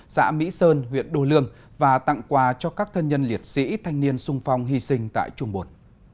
xã mỹ sơn huyện đô lương và tặng quà cho các thân nhân liệt sĩ thanh niên sung phong hy sinh tại trung bộ